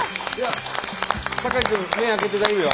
坂井君目開けて大丈夫よ。